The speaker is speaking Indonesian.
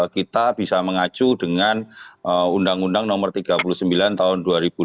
kita bisa mengacu dengan undang undang nomor tiga puluh sembilan tahun dua ribu dua puluh